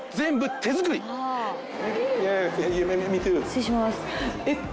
失礼します。